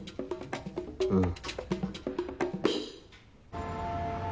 うん。